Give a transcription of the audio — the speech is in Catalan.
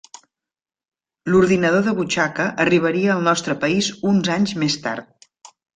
L'ordinador de butxaca arribaria al nostre país uns anys més tard.